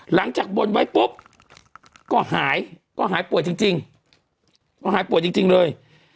หลังจากบนไว้ปุ๊บก็หายปวดจริงเลย